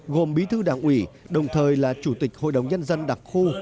gồm bí thư đảng ủy đồng thời là chủ tịch hội đồng nhân dân đặc khu